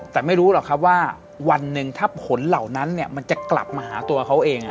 แต่ไม่รู้หรอกครับว่าวันหนึ่งถ้าผลเหล่านั้นมันจะกลับมาหาตัวเขาเอง